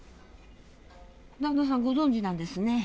旦那さんご存じなんですね。